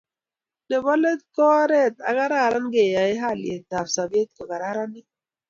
Nebo let ko oret ne karan koyae haliyet ab sabat kokaranit